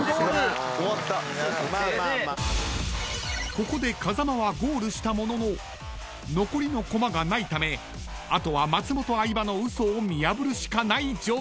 ［ここで風間はゴールしたものの残りのコマがないためあとは松本相葉の嘘を見破るしかない状況］